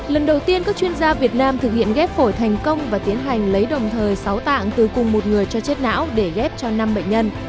lần đầu tiên các chuyên gia việt nam thực hiện ghép phổi thành công và tiến hành lấy đồng thời sáu tạng từ cùng một người cho chết não để ghép cho năm bệnh nhân